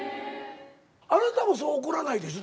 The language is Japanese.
あなたもそう怒らないでしょ？